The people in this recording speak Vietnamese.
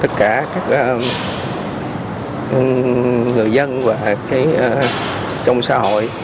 tất cả các người dân và trong xã hội